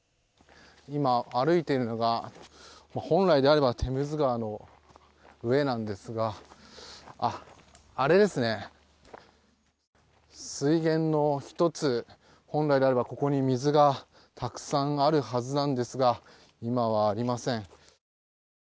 今、歩いているのが本来であればテムズ川の上なんですがあれですね、水源の１つ本来であればここに水がたくさんあるはずなんですが今はありません。